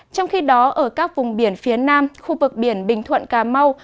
trong khi đó ở các vùng biển phía nam khu vực biển bình thuận cà mau